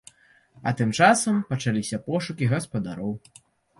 А тым часам пачаліся пошукі гаспадароў.